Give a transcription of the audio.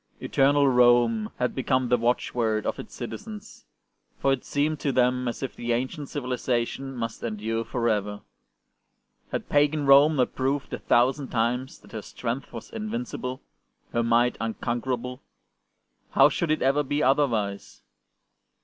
'' Eternal Rome " had become the watchword of its citizens, for it seemed to them as if the ancient civiliza tion must endure for ever. Had pagan Rome not proved a thousand times that her strength was invincible, her might unconquerable ? How should it ever be otherwise